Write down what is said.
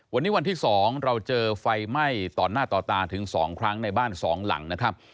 วันนี้วันที่๒เราเจอไฟไหม้ต่อหน้าต่อตาถึง๒ครั้งในบ้าน๒หลังนะครับ